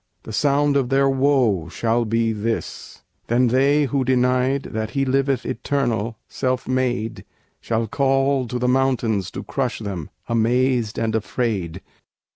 The sound of their woe shall be this: Then they who denied That He liveth Eternal, "Self made," Shall call to the mountains to crush them; Amazed and affrayed.